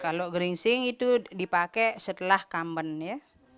kalau gringsing itu dipakai setelah kamben ya